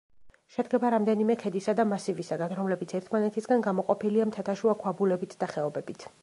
შედგება რამდენიმე ქედისა და მასივისაგან, რომლებიც ერთმანეთისგან გამოყოფილია მთათაშუა ქვაბულებით და ხეობებით.